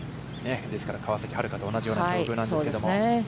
ですから、川崎春花と同じような境遇なんですけれども。